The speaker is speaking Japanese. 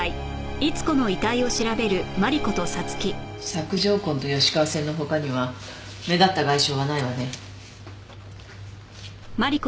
索条痕と吉川線の他には目立った外傷はないわね。